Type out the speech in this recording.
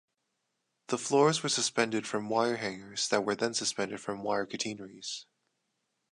The floors were suspended from wire hangers that were then suspended from wire catenaries.